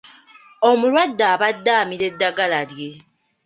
Omulwadde abadde amira ddagala lye.